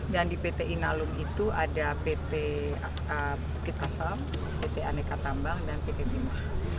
dan di pt inalum itu ada pt bukit asam pt aneka tambang dan pt bima